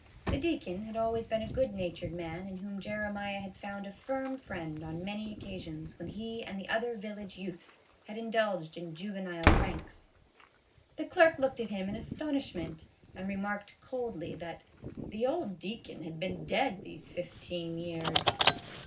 The deacon had always been a good natured man in whom Jeremiah had found a firm friend on many occasions when he and the other village youths had indulged in juve nile pranks. The clerk looked at him in astonish ment and remarked coldly that " the old deacon had been dead these fifteen years."